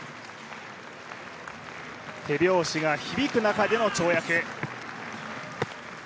手拍子が響く中での跳躍。